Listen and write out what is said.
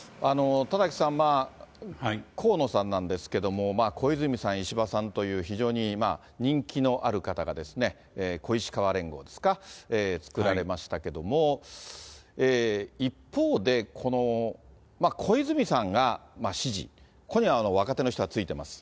田崎さん、河野さんなんですけれども、小泉さん、石破さんという非常に人気のある方が小石河連合ですか、作られましたけれども、一方で、この小泉さんが支持、ここには若手の人がついてます。